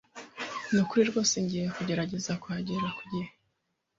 Nukuri rwose ngiye kugerageza kuhagera ku gihe.